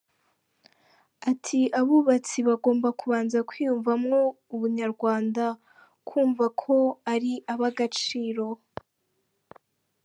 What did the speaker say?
Ati “Abubatsi bagomba kubanza kwiyumvamo ubunyarwanda, kumva ko ari ab’agaciro.